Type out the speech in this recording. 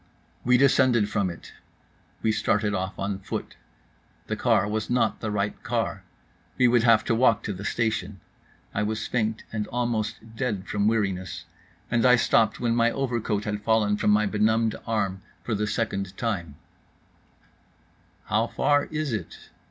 We descended from it. We started off on foot. The car was not the right car. We would have to walk to the station. I was faint and almost dead from weariness and I stopped when my overcoat had fallen from my benumbed arm for the second time: "How far is it?"